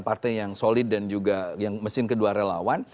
partai yang solid dan juga yang mesin kedua relawan